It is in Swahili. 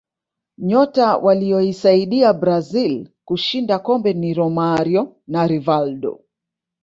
nyota waliyoisaidia brazil kushinda kombe ni romario na rivaldo